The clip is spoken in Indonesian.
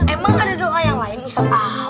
emang ada doa yang lain ustad